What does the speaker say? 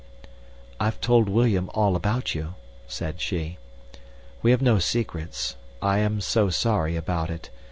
"I've told William all about you," said she. "We have no secrets. I am so sorry about it.